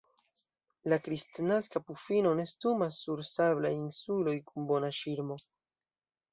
La Kristnaska pufino nestumas sur sablaj insuloj kun bona ŝirmo.